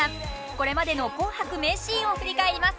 これまでの「紅白」名シーンを振り返ります。